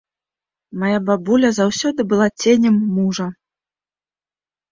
Мая бабуля заўсёды была ценем мужа.